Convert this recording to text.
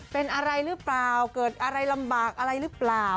เป็นอะไรหรือเปล่าเกิดอะไรลำบากอะไรหรือเปล่า